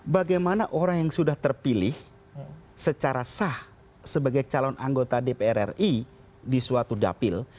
bagaimana orang yang sudah terpilih secara sah sebagai calon anggota dpr ri di suatu dapil